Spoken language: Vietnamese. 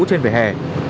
trên vỉa hè